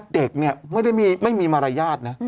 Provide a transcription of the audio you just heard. เด็กไม่ได้มีไม่มีมารยาทนะ